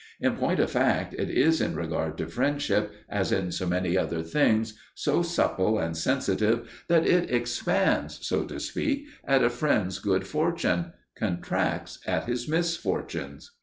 In point of fact it is in regard to friendship, as in so many other things, so supple and sensitive that it expands, so to speak, at a friend's good fortune, contracts at his misfortunes.